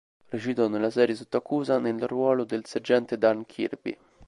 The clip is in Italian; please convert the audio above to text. Recitò nella serie "Sotto accusa" nel ruolo del sergente Dan Kirby.